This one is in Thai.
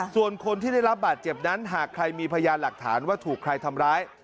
ส่วนคนที่ได้รับบาดเจ็บนั้นหากใครมีพยานหลักฐานว่าถูกใครทำร้าย